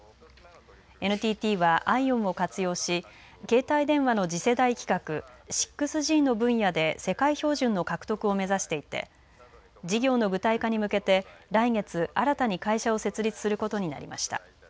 ＮＴＴはＩＯＷＮを活用し携帯電話の次世代規格６Ｇの分野で世界標準の獲得を目指していて事業の具体化に向けて来月新たに会社を設立することになりました。